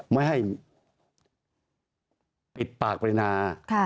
ไม่ให้ปิดปากปรินา